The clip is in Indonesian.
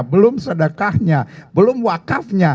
belum sedekahnya belum wakafnya